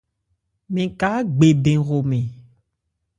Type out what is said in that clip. Mɛn ka ágbe bɛn hromɛn.